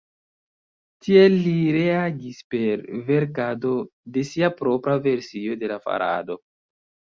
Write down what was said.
Tiel li reagis per verkado de sia propra versio de la farado.